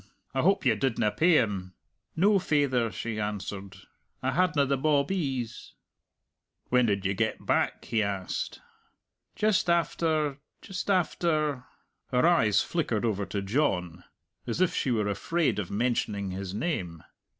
I hope you didna pay him?" "No, faither," she answered. "I hadna the bawbees." "When did ye get back?" he asked. "Just after just after " Her eyes flickered over to John, as if she were afraid of mentioning his name.